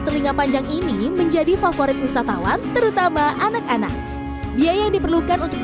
telinga panjang ini menjadi favorit wisatawan terutama anak anak biaya yang diperlukan untuk